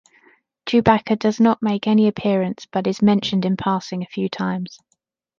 Chewbacca does not make any appearance, but is mentioned in passing a few times.